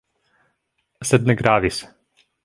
Sed ne gravis!